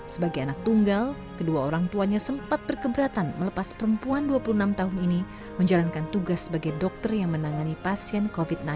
sebagai anak tunggal kedua orang tuanya sempat berkeberatan melepas perempuan dua puluh enam tahun ini menjalankan tugas sebagai dokter yang menangani pasien covid sembilan belas